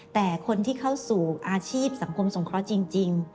แต่คนที่เข้าสู่อาชีพสังคมสงเคราะห์จริง